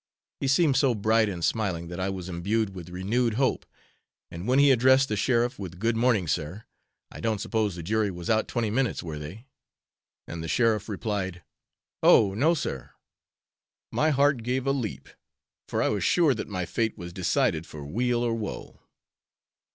He seemed so bright and smiling that I was imbued with renewed hope; and when he addressed the sheriff with "Good morning Sir. I don't suppose the jury was out twenty minutes were they?" and the sheriff replied "oh! no, sir," my heart gave a leap, for I was sure that my fate was decided for weal or woe.